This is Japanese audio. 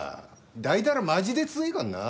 だいだらマジで強えかんな。